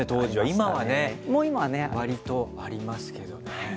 今は、割とありますけどね。